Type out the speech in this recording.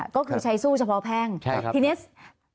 ก็คือใช้สู้เฉพาะแพงครับทีนี้ใช่ครับ